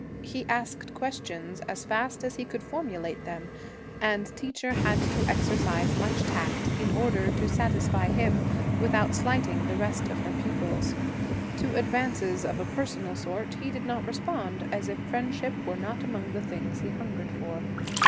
He asked questions as fast as he could formulate them, and Teacher had to exercise much tact in order to satisfy him without slighting the rest of her pupils. To advances of a personal sort he did not respond, as if friendship were not among the things he hungered for.